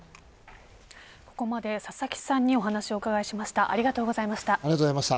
ここまで佐々木さんにお話をお伺いしました。